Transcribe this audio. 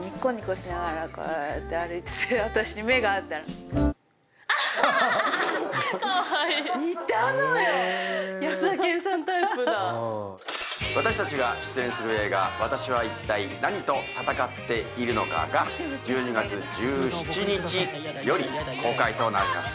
すごい。私たちが出演する映画『私はいったい、何と闘っているのか』が１２月１７日より公開となります。